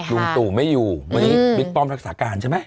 ลุงตู่ไม่อยู่วันนี้บิ๊กป้อมรักษาการใช่ไหม